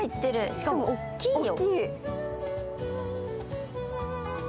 しかも大きいよ。